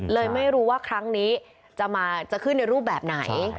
เลยไม่รู้ว่าครั้งนี้จะขึ้นในรูปแบบไหน